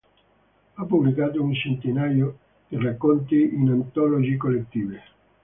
Ha pubblicato un centinaio di racconti in antologie collettive.